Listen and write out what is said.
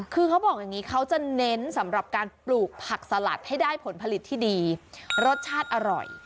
คือเขาบอกอย่างนี้เขาจะเน้นสำหรับการปลูกผักสลัดให้ได้ผลผลิตที่ดีรสชาติอร่อย